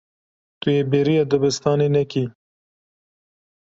Tu yê bêriya dibistanê nekî.